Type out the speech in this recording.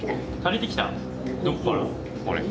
これ。